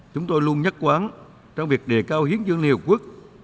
chúng tôi luôn nhắc quán trong việc đề cao hiến dương liên hợp quốc